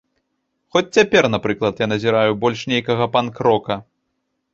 Хоць цяпер, напрыклад, я назіраю больш нейкага панк-рока.